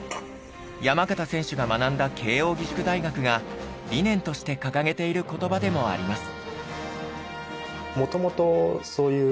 山縣選手が学んだ慶應義塾大学が理念として掲げている言葉でもあります。